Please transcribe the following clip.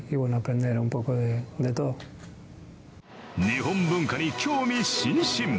日本文化に興味津々。